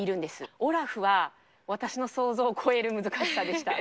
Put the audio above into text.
オラフは私の想像を超える難しさでした。